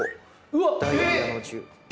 ・うわっ⁉